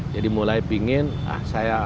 jadi mulai pingin ah saya